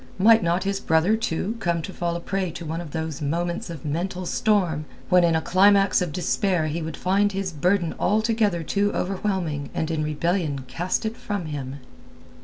Might not his brother, too, come to fall a prey to one of those moments of mental storm when in a climax of despair he would find his burden altogether too overwhelming and in rebellion cast it from him?